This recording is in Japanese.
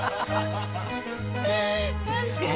確かに。